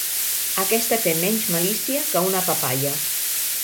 Aquesta té menys malícia que una papaia.